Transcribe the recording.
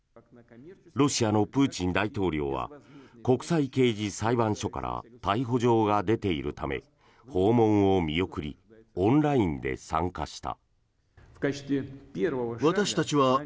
ロシアのプーチン大統領は国際刑事裁判所から逮捕状が出ているため訪問を見送りオンラインで参加した。